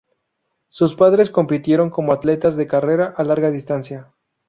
Sus padres compitieron como atletas de carrera a larga distancia.